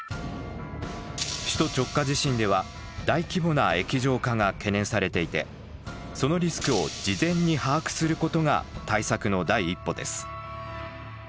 首都直下地震では大規模な液状化が懸念されていてそのリスクを事前に把握することが対策の第一歩です。